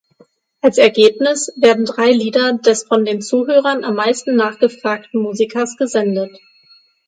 Als Ergebnis werden drei Lieder des von den Zuhörern am meisten nachgefragten Musikers gesendet.